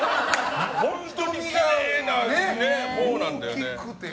本当にきれいなんだよね。